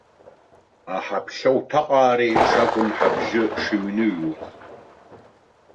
Аҳаԥшьа уҭаҟаар еиԥш акәын ҳабжьы шыҩныҩуаз.